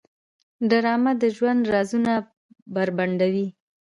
ډرامه د ژوند رازونه بربنډوي